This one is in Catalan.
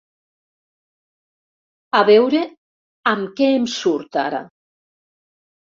A veure amb què em surt, ara.